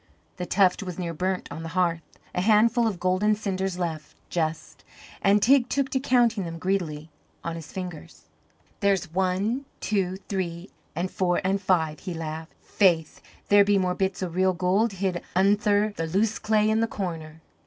The tuft was near burnt on the hearth a handful of golden cinders left, just; and Teig took to counting them greedily on his fingers. "There's one, two, three, an' four an' five," he laughed. "Faith, there be more bits o' real gold hid undther the loose clay in the corner."